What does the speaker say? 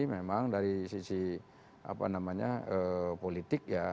memang dari sisi politik ya